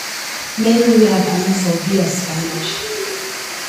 Mainly they have done so via Spanish.